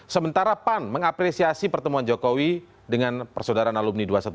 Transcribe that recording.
sementara pan mengapresiasi pertemuan jokowi dengan persaudaraan alumni dua ratus dua belas